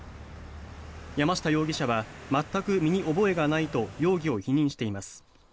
山下容疑者は全く身に覚えがないと容疑を否認しています。